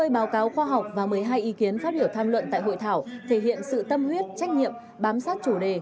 ba mươi báo cáo khoa học và một mươi hai ý kiến phát biểu tham luận tại hội thảo thể hiện sự tâm huyết trách nhiệm bám sát chủ đề